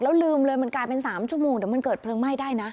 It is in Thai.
แล้วลืมเลยมันกลายเป็น๓ชั่วโมงเดี๋ยวมันเกิดเพลิงไหม้ได้นะ